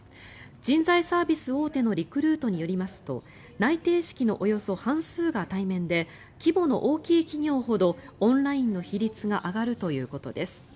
人材サービス大手のリクルートによりますと内定式のおよそ半数が対面で規模の大きい企業ほどオンラインの比率が上がるということです。